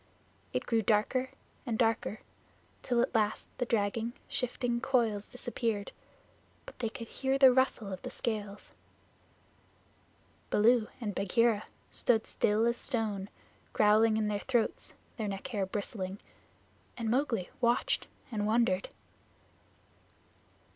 It grew darker and darker, till at last the dragging, shifting coils disappeared, but they could hear the rustle of the scales. Baloo and Bagheera stood still as stone, growling in their throats, their neck hair bristling, and Mowgli watched and wondered.